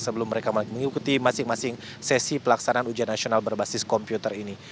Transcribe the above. sebelum mereka mengikuti masing masing sesi pelaksanaan ujian nasional berbasis komputer ini